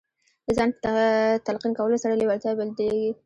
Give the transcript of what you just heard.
د ځان په تلقین کولو سره لېوالتیا بدلېږي